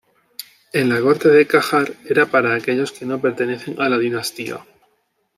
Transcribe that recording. En la corte de Qajar era para aquellos que no pertenecen a la dinastía.